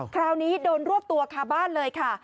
คราวนี้โดนรวบตัวคาบ้านเลยค่ะ